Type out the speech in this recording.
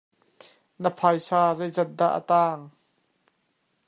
Na phaisa zeizat dah a tang?